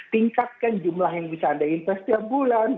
tingkatkan jumlah yang bisa anda investasi tiap bulan